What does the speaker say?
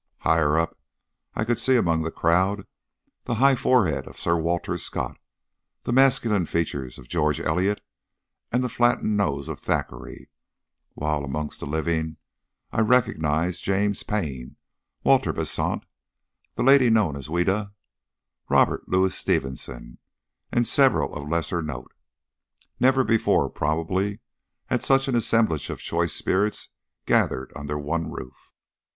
Higher up I could see among the crowd the high forehead of Sir Walter Scott, the masculine features of George Eliott, and the flattened nose of Thackeray; while amongst the living I recognised James Payn, Walter Besant, the lady known as "Ouida," Robert Louis Stevenson, and several of lesser note. Never before, probably, had such an assemblage of choice spirits gathered under one roof.